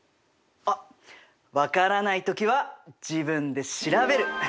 あっ分からない時は自分で調べる！